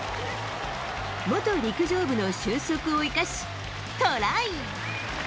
元陸上部の俊足を生かし、トライ。